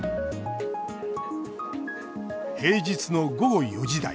平日の午後４時台。